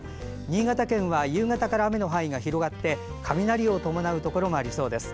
新潟県は夕方から雨の範囲が広がって雷を伴うところもありそうです。